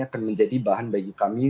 akan menjadi bahan bagi kami